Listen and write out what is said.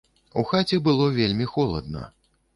У хаце было вельмі холадна.